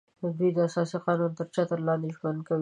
دوی د اساسي قانون تر چتر لاندې ژوند کوي